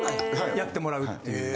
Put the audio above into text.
やってもらうっていう。